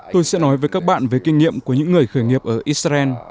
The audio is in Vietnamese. tôi sẽ nói với các bạn về kinh nghiệm của những người khởi nghiệp ở israel